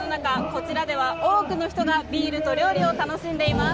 こちらでは多くの人がビールと料理を楽しんでいます。